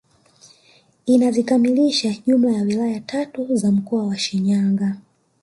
Inazikamilisha jumla ya wilaya tatu za mkoa wa Shinyanga